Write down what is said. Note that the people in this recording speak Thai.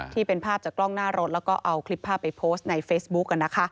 ที่เป็นภาพจากกล้องหน้ารถแล้วก็เอาคลิปภาพไปโพสต์ในเฟซบุ๊ก